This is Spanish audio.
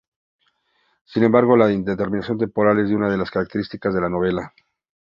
Sin embargo, la indeterminación temporal es una de las características de la novela.